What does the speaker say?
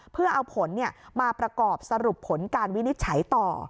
เพื่อเอาผลมาประกอบสรุปผลการวินิจฉัยต่อ